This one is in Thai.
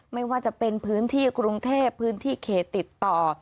ไม่ว่าจะเป็นพื้นที่กรุงเทพพื้นที่เขตติดต่อ